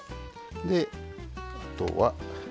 であとは。